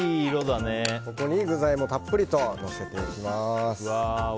ここに具材もたっぷりとのせていきます。